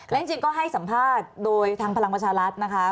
และจริงก็ให้สัมภาษณ์โดยทางพลังประชารัฐนะคะ